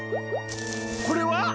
これは？